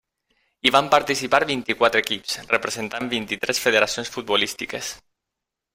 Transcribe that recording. Hi van participar vint-i-quatre equips, representant vint-i-tres federacions futbolístiques.